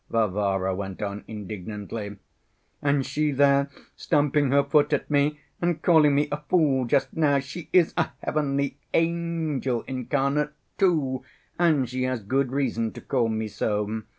Varvara went on indignantly. "And she there stamping her foot at me and calling me a fool just now, she is a heavenly angel incarnate too, and she has good reason to call me so.